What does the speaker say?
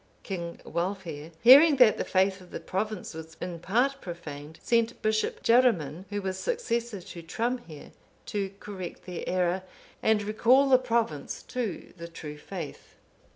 King Wulfhere, hearing that the faith of the province was in part profaned, sent Bishop Jaruman,(514) who was successor to Trumhere, to correct their error, and recall the province to the true faith.